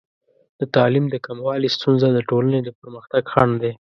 د تعلیم د کموالي ستونزه د ټولنې د پرمختګ خنډ دی.